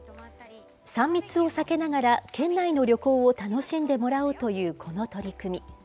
３密を避けながら、県内の旅行を楽しんでもらおうというこの取り組み。